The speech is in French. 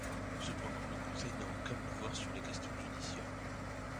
Cependant, le Conseil n'a aucun pouvoir sur les questions judiciaires.